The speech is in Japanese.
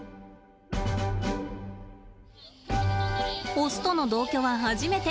オスとの同居は初めて。